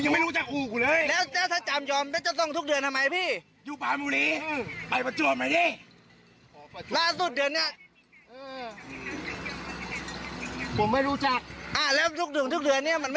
เดือนนี้ก็จ่ายนะพี่เดือนที่แล้วผมก็ไปจ่ายเองนะเจเว่น